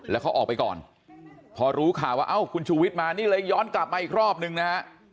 แล้วเขาออกไปก่อนพอรู้ข่าวว่าเอ้าคุณชูวิทย์มานี่เลยย้อนกลับมาอีกรอบนึงนะฮะ